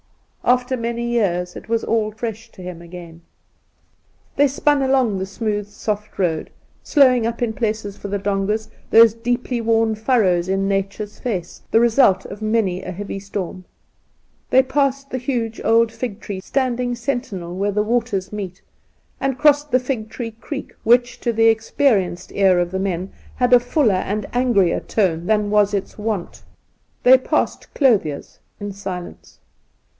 After many years it was all fresh to him again. They spun along the smooth soft road, slowing up in places for the dongas — those deeply worn furrows in Nature's face, the result of many a heavy storm. They passed the huge old fig tree standing sentinel where the waters meet, and crossed the Fig tree Creek, which, to the experienced ear of the men, had a fuller and angrier tone than was its wont. They passed ' Clothier's ' in silence.